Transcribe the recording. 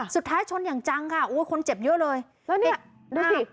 ชนอย่างจังค่ะโอ้ยคนเจ็บเยอะเลยแล้วเนี่ยดูสิ